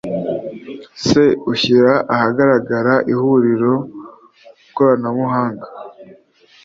se ushyira ahagaragara ihuriro koranabuhanga